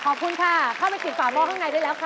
ขอบคุณค่ะเข้าไปติดฝาหม้อข้างในได้แล้วค่ะ